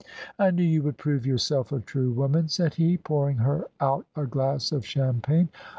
"I knew you would prove yourself a true woman," said he, pouring her out a glass of champagne.